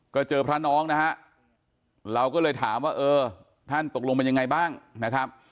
ก็เจอพระน้องนะฮะเราก็เลยถามว่าเออท่านตกลงเป็นยังไงบ้างนะครับ